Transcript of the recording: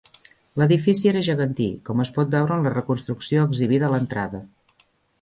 L'edifici era gegantí, com es pot veure en la reconstrucció exhibida a l'entrada.